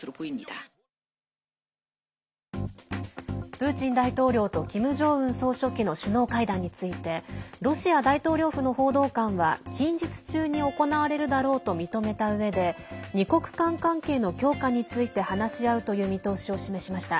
プーチン大統領とキム・ジョンウン総書記の首脳会談についてロシア大統領府の報道官は近日中に行われるだろうと認めたうえで２国間関係の強化について話し合うという見通しを示しました。